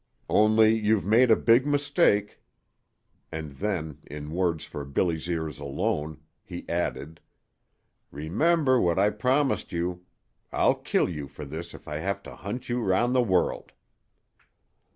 "Only you've made a big mistake." And then, in words for Billy's ears alone, he added: "Remember what I promised you! I'll kill you for this if I have to hunt you round the world!"